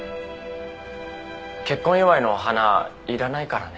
結婚祝いのお花いらないからね。